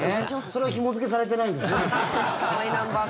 それはひも付けされてないんですね。